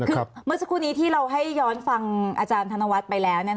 คือเมื่อสักครู่นี้ที่เราให้ย้อนฟังอาจารย์ธนวัฒน์ไปแล้ว